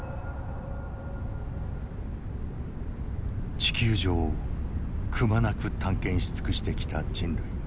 地球上をくまなく探検し尽くしてきた人類。